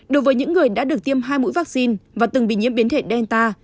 đối với những người đã được tiêm hai mũi vaccine và từng bị nhiễm biến thể delta